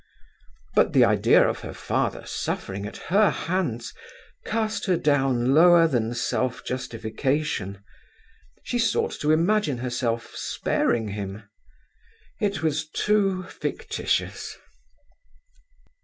But the idea of her father suffering at her hands cast her down lower than self justification. She sought to imagine herself sparing him. It was too fictitious.